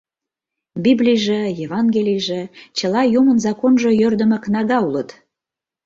Библийже, Евангелийже, чыла юмын законжо йӧрдымӧ кнага улыт.